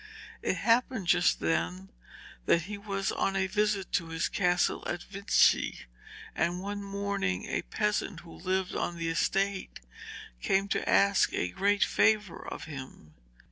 It happened just then that he was on a visit to his castle at Vinci, and one morning a peasant who lived on the estate came to ask a great favour of him.